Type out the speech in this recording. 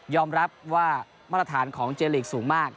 รับว่ามาตรฐานของเจลีกสูงมาก